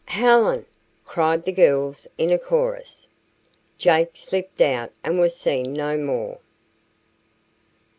"Helen!" cried the girls in a chorus. Jake slipped out and was seen no more.